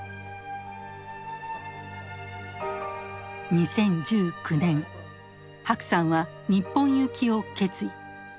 ２０１９年白さんは日本行きを決意。